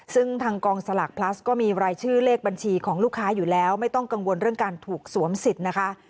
ซึ่งทางกองสลากพลัสก็มีรายชื่อเลขบัญชีของลูกค้าอยู่แล้วไม่ต้องกังวลเรื่องการถูกสวมสิทธิ์นะคะ